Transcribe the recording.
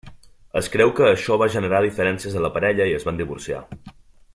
Es creu que això va generar diferències en la parella i es van divorciar.